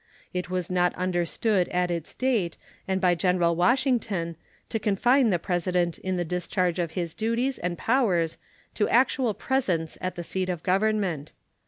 It was not understood at its date and by General Washington to confine the President in the discharge of his duties and powers to actual presence at the seat of Government.